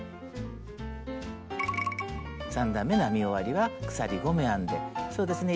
３段めの編み終わりは鎖５目編んでそうですね